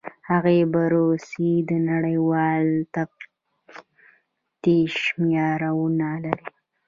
هغه بررسي د نړیوال تفتیش معیارونه لري.